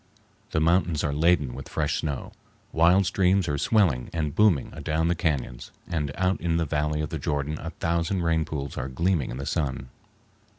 The mountains are laden with fresh snow; wild streams are swelling and booming adown the cañons, and out in the valley of the Jordan a thousand rain pools are gleaming in the sun.